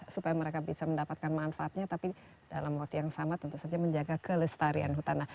supaya mereka bisa mendapatkan manfaatnya tapi dalam waktu yang sama tentu saja menjaga kelestarian hutan